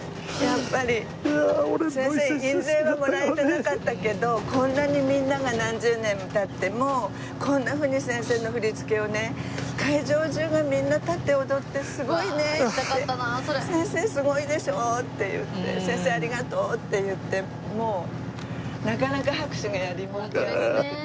やっぱり先生印税はもらえてなかったけどこんなにみんなが何十年も経ってもこんなふうに先生の振り付けをね「先生すごいでしょ？」って言って「先生ありがとう」って言ってもうなかなか拍手がやみませんでした。